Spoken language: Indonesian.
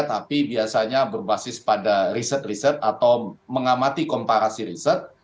tapi biasanya berbasis pada riset riset atau mengamati komparasi riset